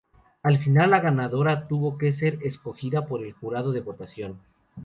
Al final, la ganadora tuvo que ser escogida por el jurado de votación.